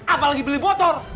apalagi beli motor